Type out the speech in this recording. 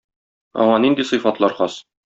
Аңа нинди сыйфатлар хас?